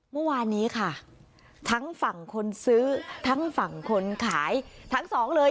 เมื่อวานนี้ค่ะทั้งฝั่งคนซื้อทั้งฝั่งคนขายทั้งสองเลย